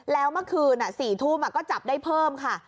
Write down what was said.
แล้วเมื่อคืน๔ทุ่มก็จับได้เพิ่มค่ะ